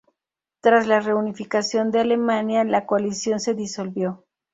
Tras la Reunificación de Alemania, la coalición se disolvió.